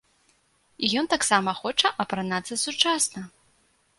І ён таксама хоча апранацца сучасна.